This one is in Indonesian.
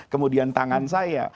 kemudian tangan saya